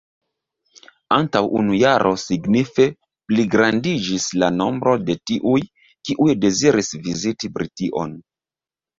Antaŭ unu jaro signife pligrandiĝis la nombro de tiuj, kiuj deziris viziti Brition.